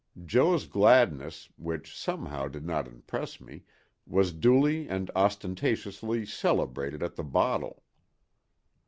Jo.'s gladness, which somehow did not impress me, was duly and ostentatiously celebrated at the bottle.